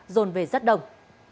dồn về rất đông